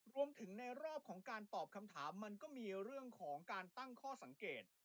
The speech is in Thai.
ในรอบของการตอบคำถามมันก็มีเรื่องของการตั้งข้อสังเกต